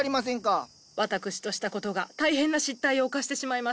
私としたことが大変な失態を犯してしまいましたの。